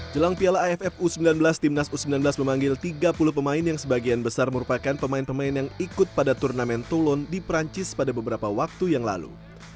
jelang piala aff u sembilan belas timnas u sembilan belas memanggil tiga puluh pemain yang sebagian besar merupakan pemain pemain yang ikut pada turnamen tulun di perancis pada beberapa waktu yang lalu